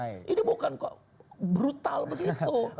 ini bukan kok brutal begitu